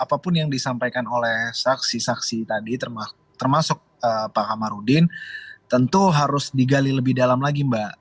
apapun yang disampaikan oleh saksi saksi tadi termasuk pak kamarudin tentu harus digali lebih dalam lagi mbak